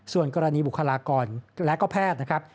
ส่วนกรณีบุคลากรและแพทย์